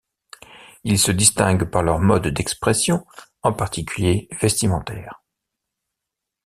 Ils se distinguent par leurs modes d'expression, en particulier vestimentaires.